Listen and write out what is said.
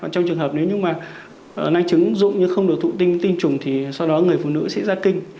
trong trường hợp nếu như mà năng trứng dụng nhưng không được thụ tinh với tinh trùng thì sau đó người phụ nữ sẽ ra kinh